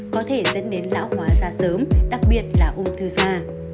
có thể dẫn đến lão hóa da sớm đặc biệt là ung thư da